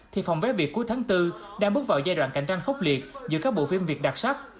thì phòng vé việt cuối tháng bốn đang bước vào giai đoạn cạnh tranh khốc liệt giữa các bộ phim việt đặc sắc